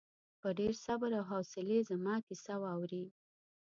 په ډېر صبر او حوصلې زما کیسه واورې.